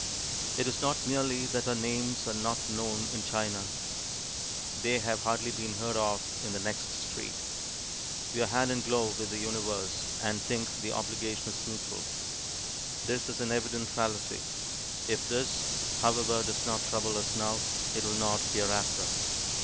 It is not merely that our names are not known in China they have hardly been heard of in the next street. We are hand and glove with the universe, and think the obligation is mutual. This is an evident fallacy. If this, however, does not trouble us now, it will not hereafter.